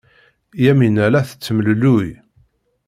Yamina la tettemlelluy.